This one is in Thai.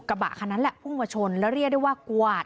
กระบะคันนั้นแหละพุ่งมาชนแล้วเรียกได้ว่ากวาด